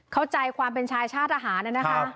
เข้าใจความเป็นชายชาติทหารนะคะ